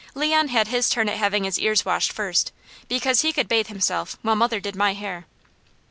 Leon had his turn at having his ears washed first, because he could bathe himself while mother did my hair.